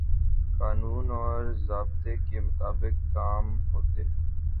قانون اور ضابطے کے مطابق کام ہوتے۔